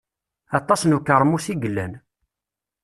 Aṭas n ukermus i yellan.